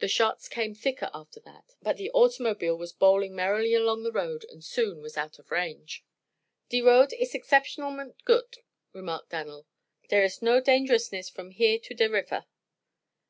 The shots came thicker after that, but now the automobile was bowling merrily along the road and soon was out of range. "De road iss exceptionalment goot," remarked Dan'l. "Dere iss no dangerousness from here to der rifer."